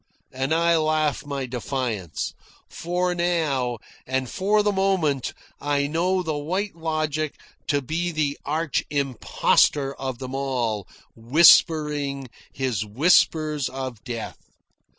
And I laugh my defiance; for now, and for the moment, I know the White Logic to be the arch impostor of them all, whispering his whispers of death.